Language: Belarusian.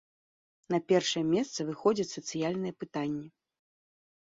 На першае месца выходзяць сацыяльныя пытанні.